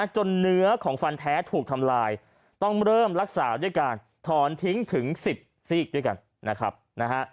จนเนื้อของฟันแท้ถูกทำลายต้องเริ่มรักษาด้วยกันถอนทิ้งถึง๑๐ซีกด้วยกัน